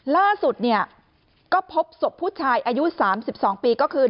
ล่าสุดเนี่ยก็พบศพผู้ชายอายุ๓๒ปีก็คือ